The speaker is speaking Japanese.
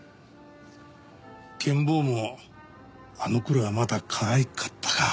ケン坊もあの頃はまだかわいかったが。